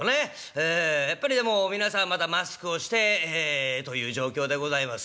ええやっぱりでも皆さんまだマスクをしてという状況でございます。